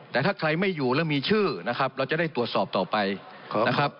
แต่ถ้าใครไม่อยู่แล้วมีชื่อนะครับเราจะได้ตรวจสอบต่อไปนะครับ